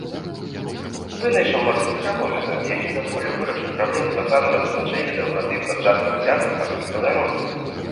Вынайшаў марскі хранометр, які дазволіў вырашыць праблему дакладнага вызначэння даўгаты падчас працяглых марскіх падарожжаў.